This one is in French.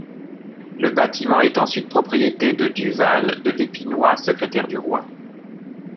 Le bâtiment est ensuite propriété de Duval de l'Epinoy, secrétaire du roi.